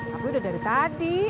tapi udah dari tadi